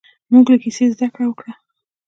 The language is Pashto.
موږ له کیسې زده کړه وکړه.